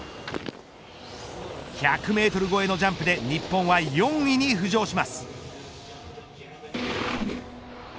１００メートル越えのジャンプで日本は４位に浮上します。